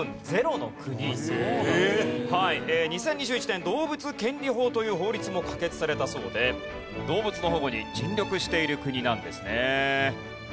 ２０２１年動物権利法という法律も可決されたそうで動物の保護に尽力している国なんですね。